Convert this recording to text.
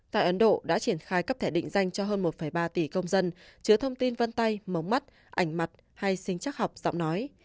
tại ấn độ đã triển khai cấp thẻ định danh cho hơn một ba tỷ công dân chứa thông tin vân tay mống mắt ảnh mặt hay sinh chắc học giọng nói